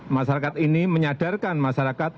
masyarakat ini menyadarkan masyarakat